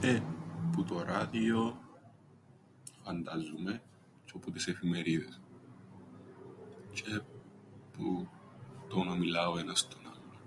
Ε, που το ράδιον φαντάζουμαι τζ̆αι που τες εφημερίδες, τζ̆αι που το να μιλά ο ένας στον άλλον.